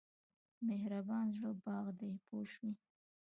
مهربان زړه باغ دی پوه شوې!.